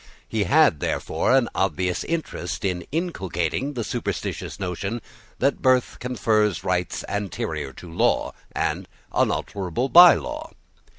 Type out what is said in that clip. He had, therefore, an obvious interest in inculcating the superstitions notion that birth confers rights anterior to law, and unalterable by law.